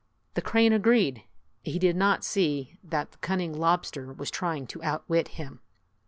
The crane agreed. He did not see that the cunning lobster was trying to outwit him.